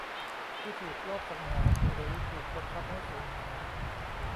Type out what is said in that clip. ที่ถูกลอบสังหารหรือถูกบังคับให้สูญหาย